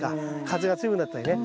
風が強くなったりね。